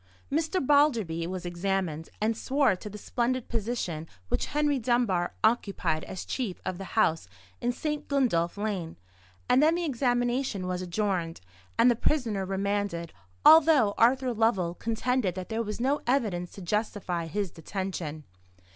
Mr. Balderby was examined, and swore to the splendid position which Henry Dunbar occupied as chief of the house in St. Gundolph Lane; and then the examination was adjourned, and the prisoner remanded, although Arthur Lovell contended that there was no evidence to justify his detention.